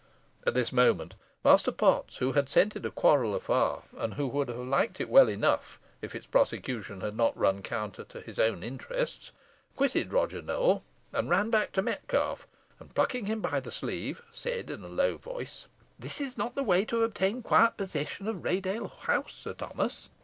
At this moment, Master Potts, who had scented a quarrel afar, and who would have liked it well enough if its prosecution had not run counter to his own interests, quitted Roger Nowell, and ran back to Metcalfe, and plucking him by the sleeve, said, in a low voice "This is not the way to obtain quiet possession of Raydale House, Sir Thomas.